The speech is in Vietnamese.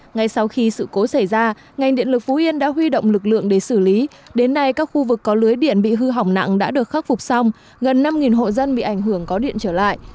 ngay sau khi sự cố xảy ra ngành điện lực phú yên đã huy động lực lượng để xử lý đến nay các khu vực có lưới điện bị hư hỏng nặng đã được khắc phục xong gần năm hộ dân bị ảnh hưởng có điện trở lại